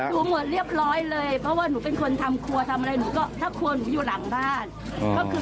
ดูหมดเรียบร้อยเลยเพราะว่าหนูเป็นคนทำครัวทำอะไร